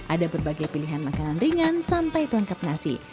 ada berbagai pilihan makanan ringan sampai pelengkap nasi